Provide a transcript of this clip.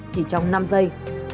chỉ trong năm giây